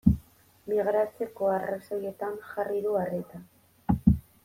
Migratzeko arrazoietan jarri du arreta.